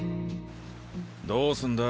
どうすんだ？